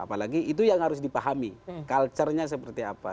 apalagi itu yang harus dipahami culture nya seperti apa